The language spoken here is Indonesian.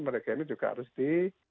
mereka ini juga harus di